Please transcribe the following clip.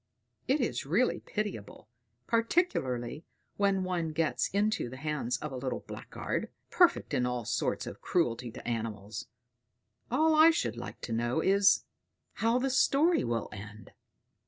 It is really pitiable, particularly when one gets into the hands of a little blackguard, perfect in all sorts of cruelty to animals: all I should like to know is, how the story will end."